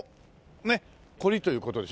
ねっ垢離という事でしょ。